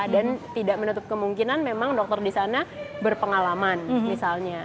dan tidak menutup kemungkinan memang dokter di sana berpengalaman misalnya